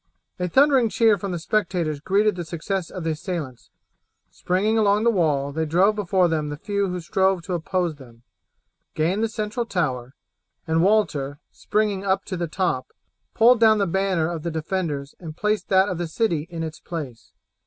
A thundering cheer from the spectators greeted the success of the assailants. Springing along the wall they drove before them the few who strove to oppose them, gained the central tower, and Walter, springing up to the top, pulled down the banner of the defenders and placed that of the city in its place.